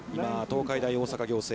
今、東海大大阪仰